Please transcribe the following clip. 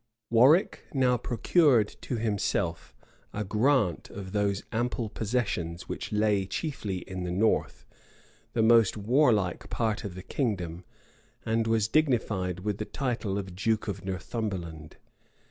Warwick now procured to himself a grant of those ample possessions, which lay chiefly in the north, the most warlike part of the kingdom; and was dignified with the title of duke of Northumberland.